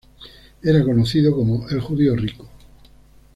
Era conocido como "el judío rico".